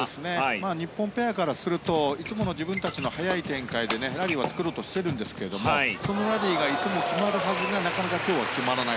日本ペアからするといつもの自分たちの速い展開でラリーを作ろうとしているんですけれどもそのラリーがいつも決まるはずがなかなか今日は決まらない。